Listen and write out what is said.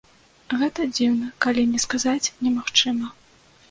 Гэта дзіўна, калі не сказаць немагчыма.